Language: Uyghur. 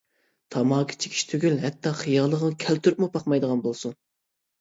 تاماكا چېكىش تۈگۈل ھەتتا خىيالىغا كەلتۈرۈپمۇ باقمايدىغان بولسۇن.